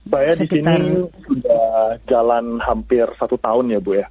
saya di sini sudah jalan hampir satu tahun ya bu ya